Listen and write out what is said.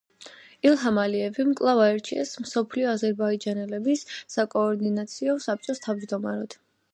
ილჰამ ალიევი კვლავ აირჩიეს მსოფლიო აზერბაიჯანელების საკოორდინაციო საბჭოს თავმჯდომარედ.